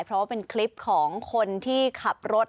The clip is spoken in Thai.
เพราะว่าเป็นคลิปของคนที่ขับรถ